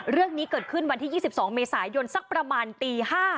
เรื่องนี้เกิดขึ้นวันที่๒๒เมษายนสักประมาณตี๕